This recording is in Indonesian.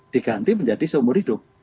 dikanti menjadi seumur hidup